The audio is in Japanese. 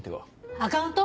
アカウント？